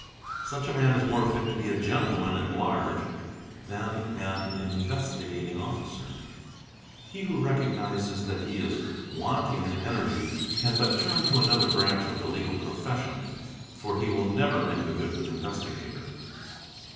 Such a man is more fit to be a gentleman at large than an Investigating Officer. He who recognises that he is wanting in energy can but turn to another branch of the legal profession, — for he will never make a good investigator.